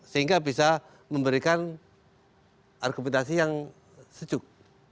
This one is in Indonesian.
sehingga bisa memberikan argumentasi yang sejuk